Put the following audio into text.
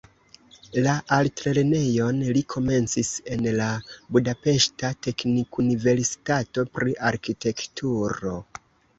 La altlernejon li komencis en la budapeŝta teknikuniversitato pri arkitekturo.